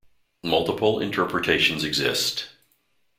Multiple interpretations exist.